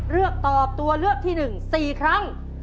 เลือกตอบตัวเลือกที่๑๔ครั้ง